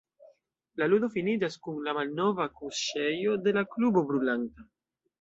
La ludo finiĝas kun la malnova kuŝejo de la klubo brulanta.